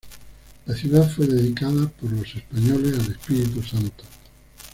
La Ciudad fue dedicada por los españoles al Espíritu Santo.